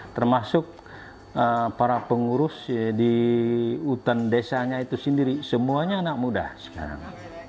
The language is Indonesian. termasuk para pengurus di hutan desanya itu sendiri semuanya anak muda sekarang